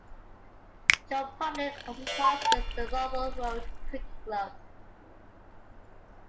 Joe Public also sponsors the Munroe Road Cricket Club.